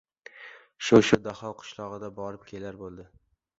Shu- shu, Daho qishlog‘iga borib kelar bo‘ldi.